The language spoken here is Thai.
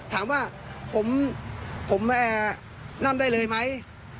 ถามว่าผมนั่นได้เลยไหม